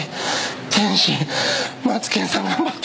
天心、マツケンさん頑張って。